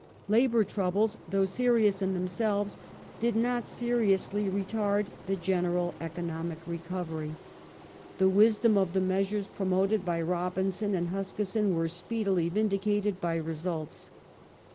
Labour troubles though serious in themselves did not seriously General retard the general economic recovery. of^th'^'^^ The wisdom of the measures promoted by Robinson and country Huskisson was speedily vindicated by results.